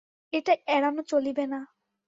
এটা এড়ানো চলিবে না।